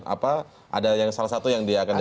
apa ada yang salah satu yang dia akan